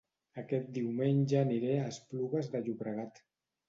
Aquest diumenge aniré a Esplugues de Llobregat